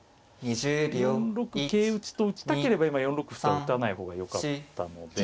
４六桂打と打ちたければ今４六歩と打たない方がよかったので。